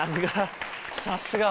さすが。